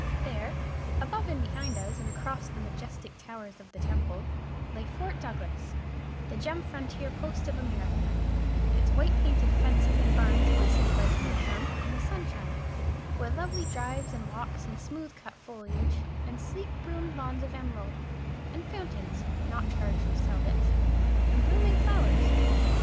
There, above and behind us, and across the majestic towers of the Temple, lay Fort Douglas, the gem frontier post of America, its white painted fences and barns glistened like meerschaum in the sunshine, with lovely drives and walks, and smooth cut foliage, and sleek broomed lawns of emerald, and fountains (not charged with seidlitz), and blooming flowers.